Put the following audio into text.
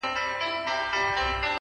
زړه مي ورېږدېدی ـ